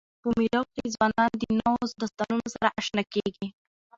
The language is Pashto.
په مېلو کښي ځوانان د نوو دوستانو سره اشنا کېږي.